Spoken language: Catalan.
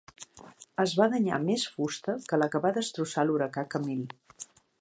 Es va danyar més fusta que la que va destrossar l'huracà Camille.